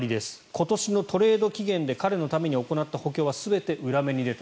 今年のトレード期限で彼のために行った補強は全て裏目に出た。